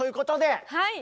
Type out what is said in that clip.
はい！